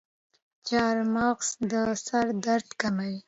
چارمغز د سر درد کموي.